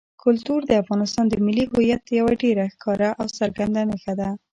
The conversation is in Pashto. کلتور د افغانستان د ملي هویت یوه ډېره ښکاره او څرګنده نښه ده.